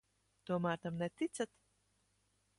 Tomēr tam neticat?